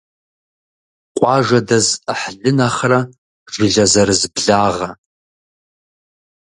Къуажэ дэз Ӏыхьлы нэхърэ жылэ и зэрыз благъэ.